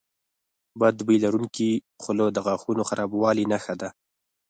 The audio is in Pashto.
بد بوی لرونکي خوله د غاښونو خرابوالي نښه ده.